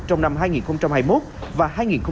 trong năm hai nghìn hai mươi một và hai nghìn hai mươi năm